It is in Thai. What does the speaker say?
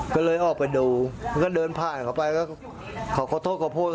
ก็เลยออกไปดูก็เดินผ่านเข้าไปก็ขอโทษขอโพธิ